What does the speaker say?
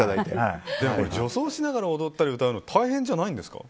女装しながら踊ったり歌うの大変じゃないんですか？